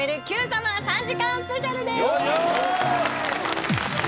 『Ｑさま！！』３時間スペシャルです！